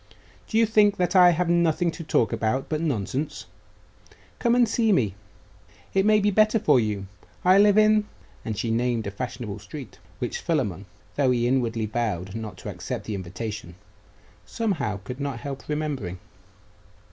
Do you think that I have nothing to talk about but nonsense? Come and see me. It may be better for you. I live in ' and she named a fashionable street, which Philammon, though he inwardly vowed not to accept the invitation, somehow could not help remembering.